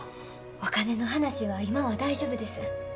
お金の話は今は大丈夫です。